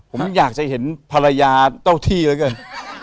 ผมอยากจะเห็นภรรยาเจ้าที่เหลือเกิน